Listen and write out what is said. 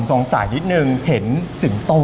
สงสัยนิดนึงเห็นสิงโต